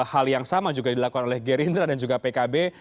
hal yang sama juga dilakukan oleh gerindra dan juga pkb